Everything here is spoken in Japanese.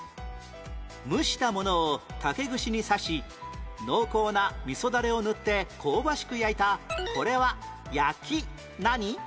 蒸したものを竹串に刺し濃厚な味噌ダレを塗って香ばしく焼いたこれは焼き何？